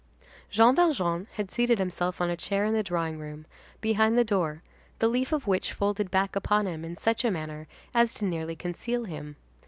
Jean Valjean had seated himself on a chair in the drawing room, behind the door, the leaf of which folded back upon him in such a manner as to nearly conceal him.